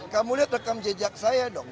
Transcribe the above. kamu lihat rekam jejak saya dong